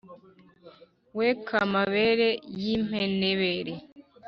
we k'amabere y'impenebere!